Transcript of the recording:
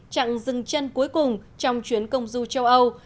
chặn dừng chân cuối cùng trong chuyến công du châu âu